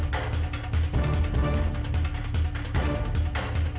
tapi petiknya juga jahat juga